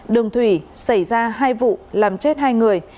đường thủy xảy ra hai vụ làm chết hai người